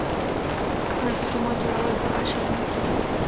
آیا د جومات جوړول په اشر نه کیږي؟